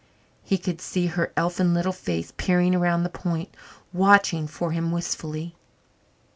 He could see her elfin little face peering around the point, watching for him wistfully.